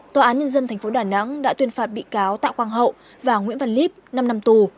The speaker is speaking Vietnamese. tòa án nhân dân tp đà nẵng đã tuyên phạt bị cáo tạ quang hậu và nguyễn văn lít năm năm tù